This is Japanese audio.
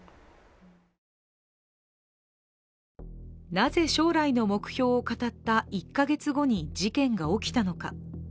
なぜ将来の目標を語った１か月後に事件が起きたのか。